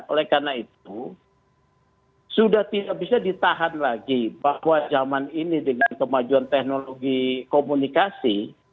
oleh karena itu sudah tidak bisa ditahan lagi bahwa zaman ini dengan kemajuan teknologi komunikasi